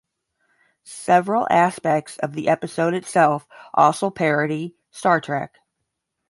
Several aspects of the episode itself also parody "Star Trek".